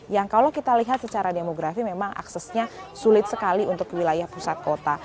yang kalau kita lihat secara demografi memang aksesnya sulit sekali untuk wilayah pusat kota